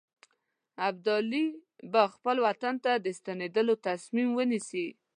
ابدالي به خپل وطن ته د ستنېدلو تصمیم ونیسي.